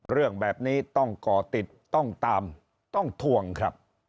เรื่องแบบนี้ต้องก่อติดต้องตามต้องทวงครับ